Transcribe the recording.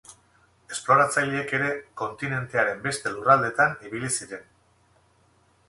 Esploratzaileek ere kontinentearen beste lurraldeetan ibili ziren.